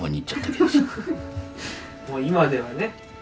もう今ではね